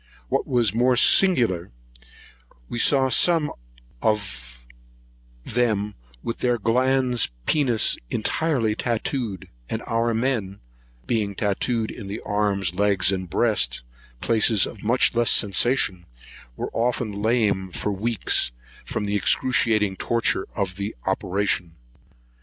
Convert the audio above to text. What was most singular, we saw some with the glans of the penis entirely tatooed; and our men, from being tatooed in the legs, arms, and breast, places of much less sensation, were often lame for a week, from the excruciating torture of the operation.